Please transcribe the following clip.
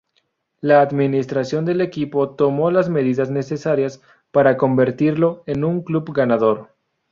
La administración del equipo tomó las medidas necesarias para convertirlo en un club ganador.